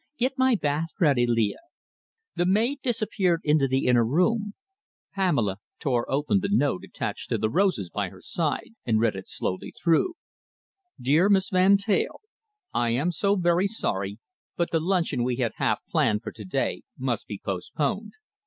"Get my bath ready, Leah." The maid disappeared into the inner room. Pamela tore open the note attached to the roses by her side, and read it slowly through: Dear Miss Van Teyl, I am so very sorry, but the luncheon we had half planned for to day must be postponed.